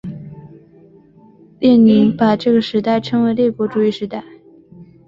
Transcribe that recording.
列宁把这个时代称为帝国主义时代。